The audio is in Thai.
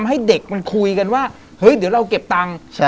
ให้เด็กมันคุยกันว่าเฮ้ยเดี๋ยวเราเก็บตังค์